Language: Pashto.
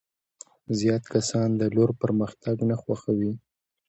زیات کسان د لور پرمختګ نه خوښوي.